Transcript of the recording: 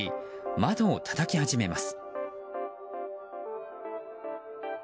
窓をたたき始めます。